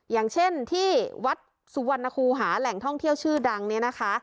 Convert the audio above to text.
อย่างเช่นที่วัดสุวรรณคูหาแหล่งท่องเที่ยวชื่อดังเนี่ยนะคะ